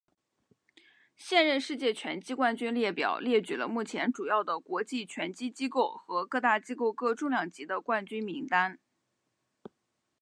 现任世界拳击冠军列表列举了目前主要的国际拳击机构和各大机构各重量级的冠军名单。